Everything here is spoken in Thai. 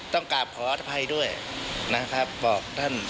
ต้องกราบขออภัยด้วยนะครับบอกท่าน